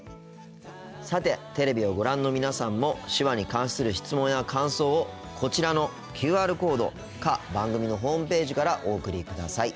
さてテレビをご覧の皆さんも手話に関する質問や感想をこちらのＱＲコードか番組のホームページからお送りください。